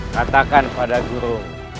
katakan pada guru